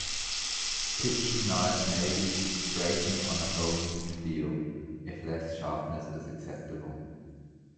Kitchen knives may be straightened on a honing steel if less sharpness is acceptable.